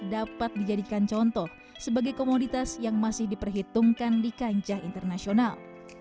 dapat dijadikan contoh sebagai komoditas yang masih diperhitungkan di kancah internasional